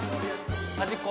端っこ。